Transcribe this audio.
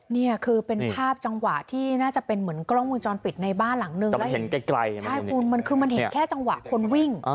นี่คือเป็นภาพจังหวะที่น่าจะเป็นเหมือนกล้องมือจรปิดในบ้านหลังนึง